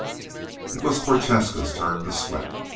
It was Prochaska's turn to sweat.